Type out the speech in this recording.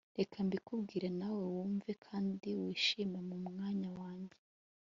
reka mbikubwire nawe wumve kandi wishyire mu mwanya wanjye